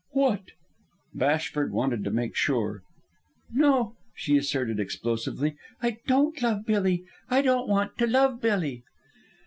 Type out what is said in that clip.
"What?" Bashford wanted to make sure. "No," she asserted explosively. "I don't love Billy! I don't want to love Billy!"